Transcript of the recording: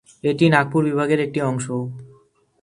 এটি নাগপুর বিভাগের একটি অংশ।